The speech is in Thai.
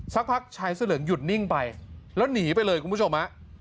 สักพักชายเสื้อเหลืองหยุดนิ่งไปแล้วหนีไปเลยคุณผู้ชมฮะ